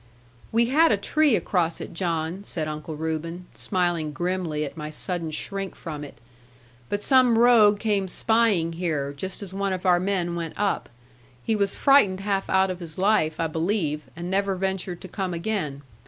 'We had a tree across it, John,' said Uncle Reuben, smiling grimly at my sudden shrink from it: 'but some rogue came spying here, just as one of our men went up. He was frightened half out of his life, I believe, and never ventured to come again.